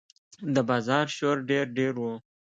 د بازار شور ډېر ډېر و.